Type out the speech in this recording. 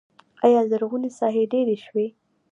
آیا زرغونې ساحې ډیرې شوي؟